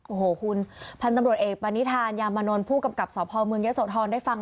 โอ้โหคุณพันธมรวจเอกปณิธานยามนลผู้กำกับสอบภอมเมืองเยอะโสธรได้ฟัง